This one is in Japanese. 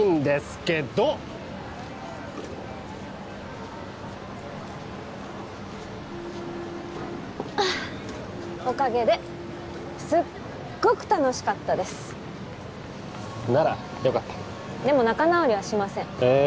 けどっあおかげですっごく楽しかったですならよかったでも仲直りはしませんえ